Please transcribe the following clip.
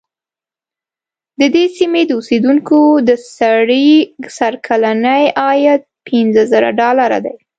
د دې سیمې د اوسېدونکو د سړي سر کلنی عاید پنځه زره ډالره دی.